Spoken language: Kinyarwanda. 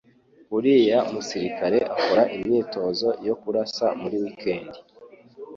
Uriya musirikare akora imyitozo yo kurasa muri wikendi.